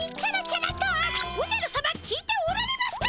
おじゃるさま聞いておられますか？